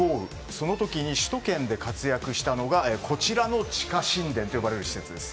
その時に首都圏で活躍したのがこちらの地下神殿と呼ばれる施設です。